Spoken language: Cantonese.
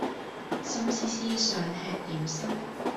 心思思想吃點心